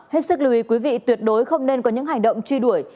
hết sức lưu ý quý vị tuyệt đối không nên có những hành động truy đuổi